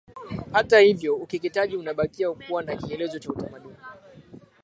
Hata hivyo Ukeketaji unabakia kuwa ni kielelezo cha utamaduni